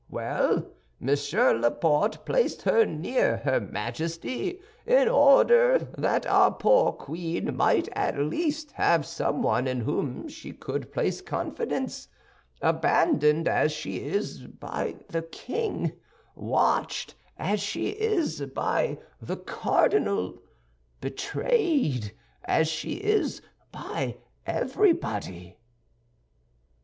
Well, Monsieur Laporte placed her near her Majesty in order that our poor queen might at least have someone in whom she could place confidence, abandoned as she is by the king, watched as she is by the cardinal, betrayed as she is by everybody."